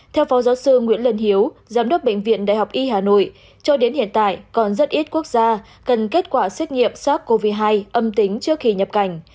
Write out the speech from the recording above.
theo phó giáo sư nguyễn lân hiếu giám đốc bệnh viện đại học y hà nội cho đến hiện tại còn rất ít quốc gia cần kết quả xét nghiệm sars cov hai âm tính trước khi nhập cảnh